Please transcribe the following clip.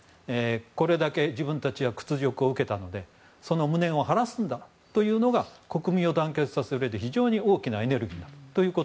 これだけ自分たちは屈辱を受けたのでその無念を晴らすんだというのが国民を団結させるうえで非常に大きなエネルギーと。